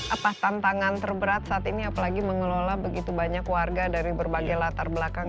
apa tantangan terberat saat ini apalagi mengelola begitu banyak warga dari berbagai latar belakang